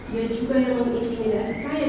dan juga yang memintimidasi saya